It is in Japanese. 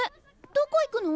どこ行くの？